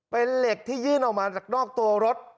เป็นเหล็กที่ยื่นออกมาจากนอกตัวรถ